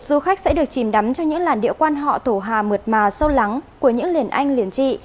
du khách sẽ được chìm đắm cho những làn điệu quan họ thổ hà mượt mà sâu lắng của những liền anh liền trị